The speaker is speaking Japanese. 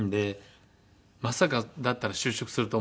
まさかだったら就職すると思ったみたいで。